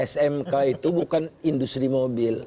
smk itu bukan industri mobil